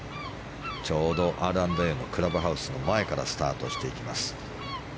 ちょうどＲ＆Ａのクラブハウス前からスタートしていきます。